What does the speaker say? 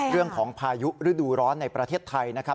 พายุฤดูร้อนในประเทศไทยนะครับ